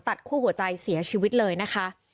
คู่หัวใจเสียชีวิตเลยนะคะ